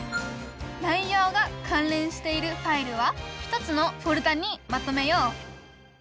内容が関連しているファイルは１つのフォルダにまとめよう！